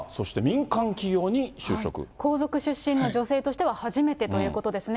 皇族出身の女性としては初めてということですね。